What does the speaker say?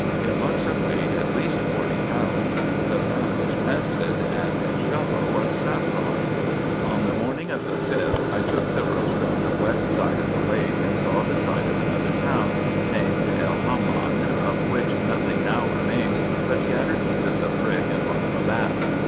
It must have weighed at least forty pounds ; the fat was rancid, and as yellow as saffron. On the morning of the 5th, I took the road on the west side of the lake, and saw the site of another town, named El Haman, oi* which nothing now remains but scattered pieces of brick and part of a bath.